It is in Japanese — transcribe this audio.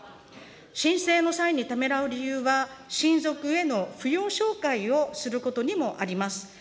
申請の際にためらう理由は、親族への扶養照会をすることにもあります。